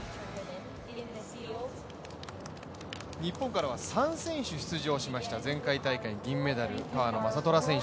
日本からは３選手出場しました、前回大会銀メダル川野将虎選手。